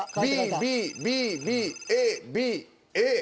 ＢＢＢＢＡＢＡ。